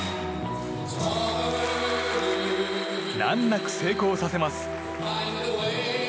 難なく成功させます。